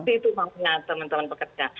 itu maksudnya teman teman pekerja